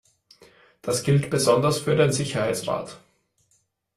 Das gilt besonders für den Sicherheitsrat.